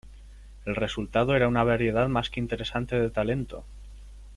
El resultado era una variedad más que interesante de talento.